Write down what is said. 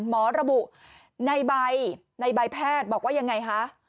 หมอระบุในใบในใบแพทย์บอกว่ายังไงคะ